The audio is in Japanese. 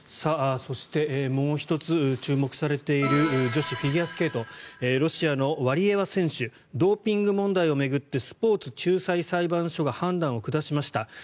そしてもう１つ注目されている女子フィギュアスケートロシアのワリエワ選手ドーピング問題を巡ってスポーツ仲裁裁判所が判断を下しました。